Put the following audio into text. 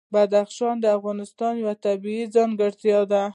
بدخشان د افغانستان یوه طبیعي ځانګړتیا ده.